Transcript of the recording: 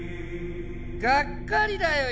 がっかりだよ